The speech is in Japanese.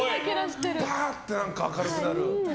バーって明るくなる。